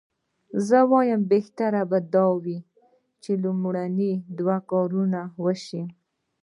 زه وایم بهتره به دا وي چې لومړني دوه کارونه وشي.